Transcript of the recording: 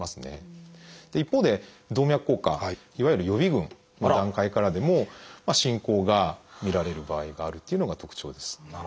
一方で動脈硬化いわゆる予備群の段階からでも進行が見られる場合があるっていうのが特徴です。